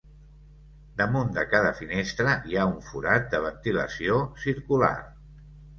Damunt de cada finestral hi ha un forat de ventilació circular.